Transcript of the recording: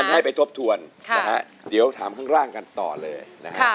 ให้ไปทบทวนนะฮะเดี๋ยวถามข้างล่างกันต่อเลยนะฮะ